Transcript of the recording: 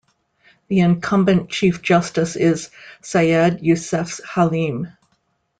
The incumbent chief justice is Sayed Yousuf Halim.